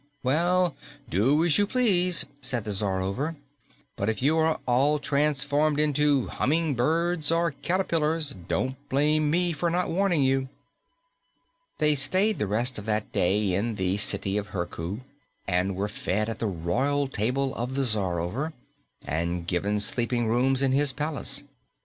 "Well, do as you please," said the Czarover, "but if you are all transformed into hummingbirds or caterpillars, don't blame me for not warning you." They stayed the rest of that day in the City of Herku and were fed at the royal table of the Czarover and given sleeping rooms in his palace.